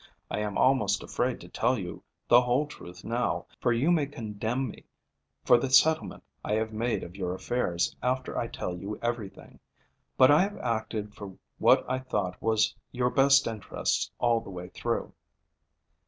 I am almost afraid to tell you the whole truth now, for you may condemn me for the settlement I have made of your affairs after I tell you everything, but I have acted for what I thought was your best interests all the way through."